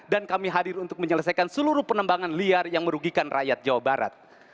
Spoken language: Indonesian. dan kami hadir untuk menyelesaikan seluruh penembangan liar yang merugikan rakyat jawa barat